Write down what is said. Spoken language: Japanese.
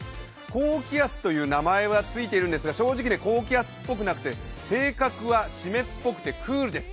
高気圧という名前はついているんですが、正直、高気圧っぽくなくて、性格は湿っぽくてクールです。